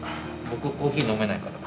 僕コーヒー飲めないから。